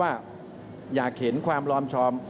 ว่าอยากเห็นความลอมชอม